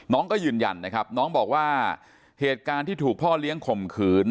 น้องก็ยืนยันนะครับน้องบอกว่าเหตุการณ์ที่ถูกพ่อเลี้ยงข่มขืน